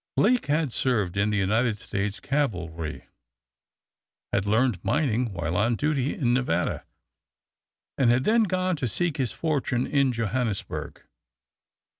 Blake had served in the United States cavalry, had learned mining while on duty in Nevada, and had then gone to seek his fortune at Johannesburg.